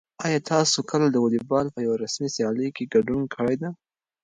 آیا تاسو کله د واليبال په یوه رسمي سیالۍ کې ګډون کړی دی؟